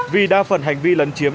vì đa phần hành vi lấn chiếm